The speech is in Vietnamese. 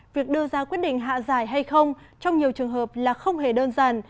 việc đưa ra quyết định hạ giải hay không trong nhiều trường hợp là không hề đơn giản